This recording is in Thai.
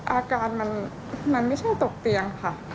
อาการมันไม่ใช่ตกเตียงค่ะ